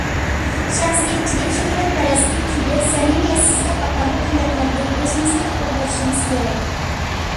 شەخسىيەتچىلىك، شۆھرەتپەرەسلىك، كىبىر، سەمىمىيەتسىزلىك قاتارلىق ئىللەتلەردىن ئۆزىمىزنى قۇتۇلدۇرۇشىمىز كېرەك.